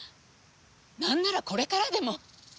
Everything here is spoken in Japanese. なんならこれからでも！